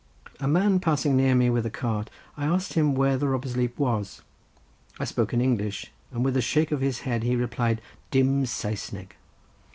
A man passing near me with a cart, I asked him where the Robber's Leap was. I spoke in English, and with a shake of his head he replied, "Dim Saesneg."